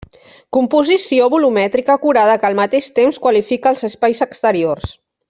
Composició volumètrica acurada que al mateix temps qualifica els espais exteriors.